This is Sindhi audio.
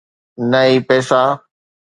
نه ئي پئسا.